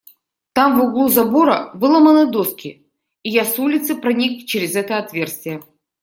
Там, в углу забора, выломаны доски, и я с улицы проник через это отверстие.